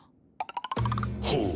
ほう。